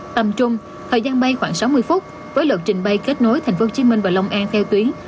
tầm trung thời gian bay khoảng sáu mươi phút với lộ trình bay kết nối thành phố hồ chí minh và long an theo tuyến